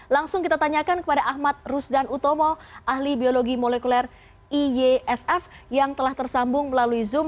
langsung kita tanyakan kepada ahmad rusdan utomo ahli biologi molekuler iysf yang telah tersambung melalui zoom